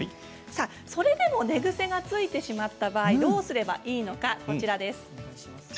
それでも寝ぐせがついてしまった場合、どうすればいいのか。